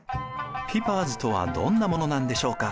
ピパーズとはどんなものなんでしょうか。